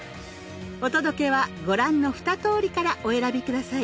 お届けはご覧の２通りからお選びください。